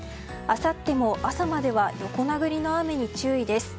あさっても、朝までは横殴りの雨に注意です。